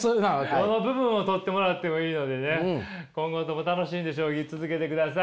どの部分を取ってもらってもいいのでね今後とも楽しんで将棋続けてください。